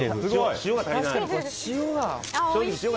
塩が足りない。